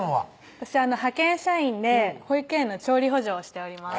私派遣社員で保育園の調理補助をしております